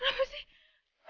nanti khususnya ya pak